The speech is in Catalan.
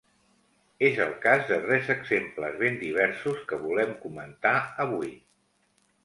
És el cas de tres exemples ben diversos que volem comentar avui.